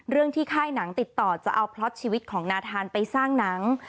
ที่ค่ายหนังติดต่อจะเอาพล็อตชีวิตของนาธานไปสร้างหนัง